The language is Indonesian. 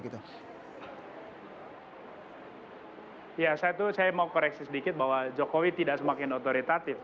ya saya mau koreksi sedikit bahwa jokowi tidak semakin otoritatif